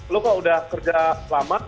lu kok sudah kerja lama